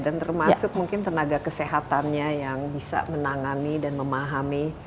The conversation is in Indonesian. dan termasuk mungkin tenaga kesehatannya yang bisa menangani dan memahami